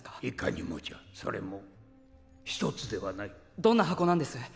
いかにもじゃそれも１つではないどんな箱なんです？